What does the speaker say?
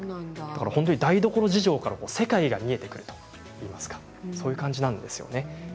台所事情から世界が見えてくるといいますかそういう感じなんですよね。